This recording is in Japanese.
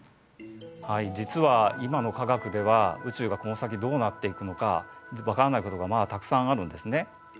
はい実は今の科学では宇宙がこの先どうなっていくのか分からないことがまだたくさんあるんですね。